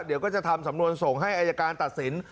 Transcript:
เดี๋ยวก็จะทำสำนวนส่งให้อายการตัดสิน